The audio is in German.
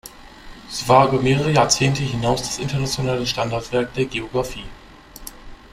Sie war über mehrere Jahrzehnte hinaus das internationale Standardwerk der Geographie.